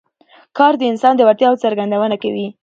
کار د انسان د وړتیاوو څرګندونه کوي